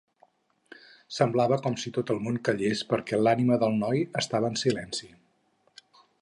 Semblava com si tot el món callés perquè l'ànima del noi estava en silenci.